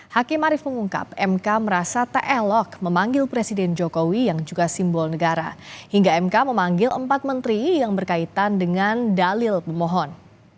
hakim arief mengungkap mk merasa tak elok memanggil presiden jokowi yang juga simbol negara hingga mk memanggil empat menteri yang berkaitan dengan dalil pemohon